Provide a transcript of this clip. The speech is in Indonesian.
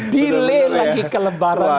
delay lagi kelebaran